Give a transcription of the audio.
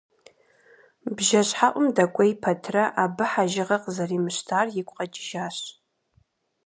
Бжэщхьэӏум дэкӏуей пэтрэ, абы хьэжыгъэ къызэримыщтар игу къэкӏыжащ.